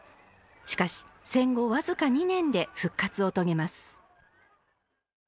しかし、戦後わずか２年で復活を遂げます。